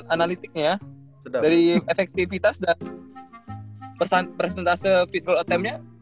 analitiknya dari efektivitas dan presentase fitful attempt nya